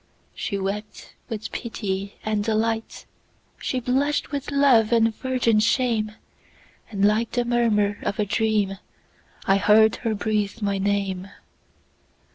She wept with pity and delight, She blush'd with love and virgin shame; And like the murmur of a dream,I heard her breathe my name.